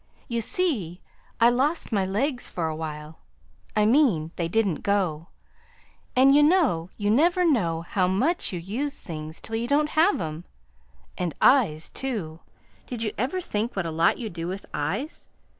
You see, I lost my legs for a while I mean, they didn't go; and you know you never know how much you use things, till you don't have 'em. And eyes, too. Did you ever think what a lot you do with eyes?